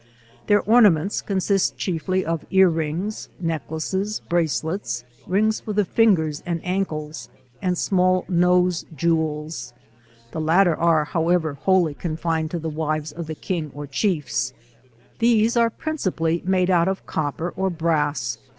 Their ornaments consist chiefly of ear rings, necklaces, bracelets, rings for the fingers and ancles, and small nose jewels, (the latter are, however, wholly confined to the wives of the king or chiefs,) these are principally made out of copper or brags.